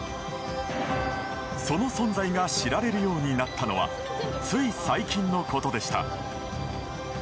その存在が知られるようになったのはつい最近のことでした。